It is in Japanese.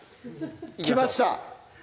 きました！